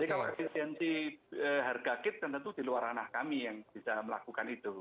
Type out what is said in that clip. jadi kalau efisiensi harga kit tentu di luar ranah kami yang bisa melakukan itu